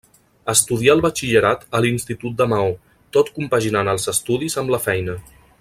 Estudià el batxillerat a l'institut de Maó, tot compaginant els estudis amb la feina.